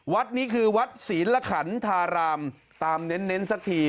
วัดนี้คือวัดศรีละขันธารามตามเน้นสักที